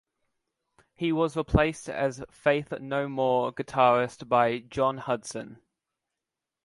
He was replaced as Faith No More guitarist by Jon Hudson.